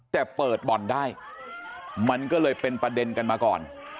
แต่เปิดบ่อนได้มันก็เลยเป็นประเด็นกันมาก่อน